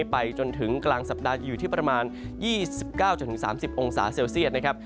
ไปจนถึงกลางสัปดาห์จะอยู่ที่ประมาณ๒๙๓๐องศาเซลเซียตนะครับ